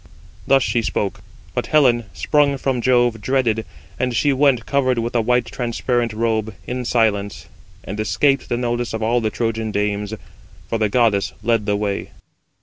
Thus she spoke: but Helen, sprung from Jove, dreaded, and she went covered with a white transparent robe, in silence; and escaped the notice of all the Trojan dames, for the goddess led the way.